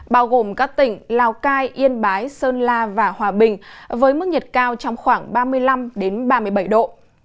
bao gồm các tỉnh lào cai yên bái sơn la và hòa bình với mức nhiệt cao trong khoảng ba mươi năm ba mươi bảy độ